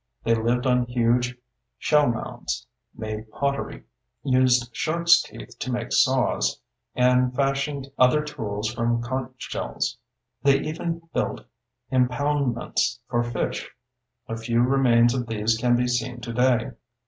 They lived on huge shell mounds, made pottery, used sharks' teeth to make saws, and fashioned other tools from conch shells. They even built impoundments for fish—a few remains of these can be seen today.